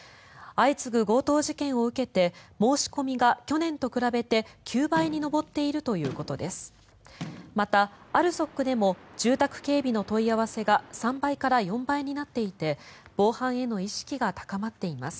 相次ぐ強盗事件を受けて申し込みが去年と比べて９倍に上っているということです。